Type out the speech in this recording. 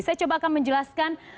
saya coba akan menjelaskan